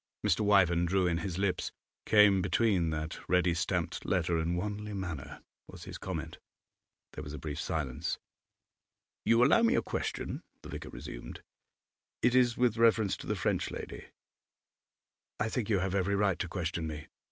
Mr. Wyvern drew in his lips. 'Came between that ready stamped letter and Wanley Manor,' was his comment. There was a brief silence. 'You allow me a question?' the vicar resumed. 'It is with reference to the French lady.' 'I think you have every right to question me.